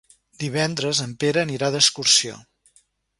Divendres en Pere anirà d'excursió.